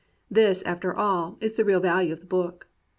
This, after all, is the real value of the book.